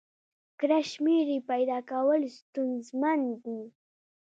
کره شمېرې پیدا کول ستونزمن دي.